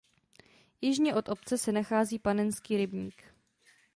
Jižně od obce se nachází Panenský rybník.